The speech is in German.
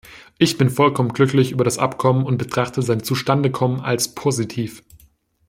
Ich bin vollkommen glücklich über das Abkommen und betrachte sein Zustandekommen als positiv.